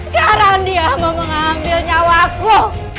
jaran dia mau mengambil nyawaku